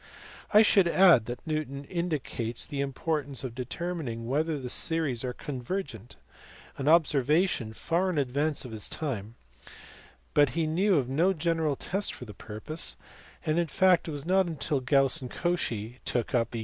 I should add that Newton indicates the importance of determining whether the series are convergent an observation far in advance of his time but he knew of no general test for the purpose ; and in fact it was not until Gauss and Cauchy took up the NEWTON S THEORY OF FLUXIONS.